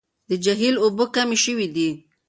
د جهيل اوبه کمې شوې دي.